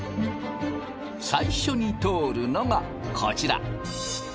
最初に通るのがこちら。